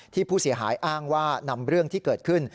ผู้เสียหายอ้างว่านำเรื่องที่เกิดขึ้น